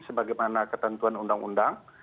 sebagaimana ketentuan undang undang